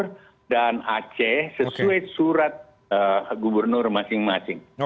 yaitu jawa timur dan aceh sesuai surat gubernur masing masing